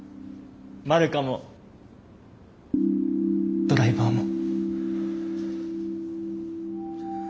マルカもドライバーも。